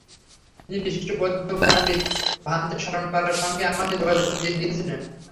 তিনি বিশিষ্ট বৌদ্ধ পণ্ডিত ভান্তে শরণপালার সঙ্গে আমাকে যোগাযোগ করিয়ে দিয়েছিলেন।